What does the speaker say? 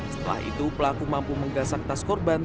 setelah itu pelaku mampu menggasak tas korban